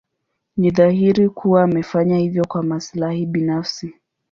Ni dhahiri kuwa amefanya hivyo kwa maslahi binafsi.